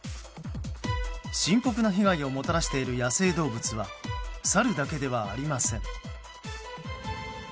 深刻な被害をもたらしている野生動物はサルだけではありません。